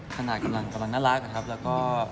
ก็กำลังเยอะเมอะเณี๊ยดหรือเมอดสมดี